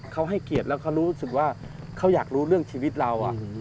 เขาให้เกียรติแล้วเขารู้สึกว่าเขาอยากรู้เรื่องชีวิตเรา